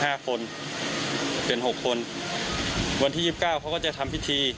ห้าคนเป็นหกคนวันที่ยี่สิบเก้าเขาก็จะทำพิธี